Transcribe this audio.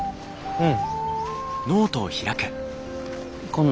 うん。